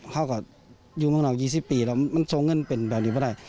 เขาก็อยู่เมืองนอก๒๐ปีแล้วมันทรงเงินเป็นแบบนี้ไม่ได้